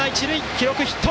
記録ヒット。